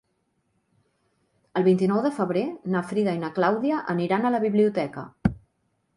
El vint-i-nou de febrer na Frida i na Clàudia aniran a la biblioteca.